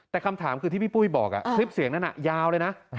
แต่คำถามคือที่พี่ปุ้ยบอกคลิปเสียงนั้นยาวเลยนะ